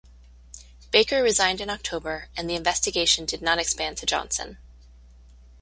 Baker resigned in October, and the investigation did not expand to Johnson.